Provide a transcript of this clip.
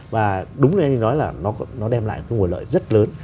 và đúng như anh nói là nó đem lại một nguồn lợi rất lớn